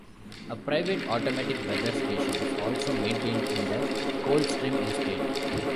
A private automatic weather station is also maintained in the Coldstream Estate.